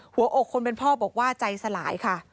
หัวอกคนเป็นพ่อบอกว่าใจสลายค่ะ